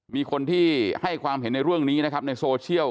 มีคนที่ให้ความเห็นในเรื่องนี้นะครับในโซเชียล